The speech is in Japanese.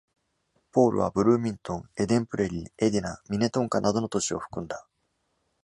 ポールはブルーミントン、エデンプレリー、エディナ、ミネトンカなどの都市を含んだ。